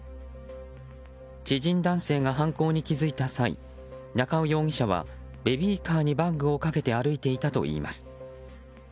知人男性が犯行に気付いた際中尾容疑者はベビーカーにバッグをかけて歩いていたといいます。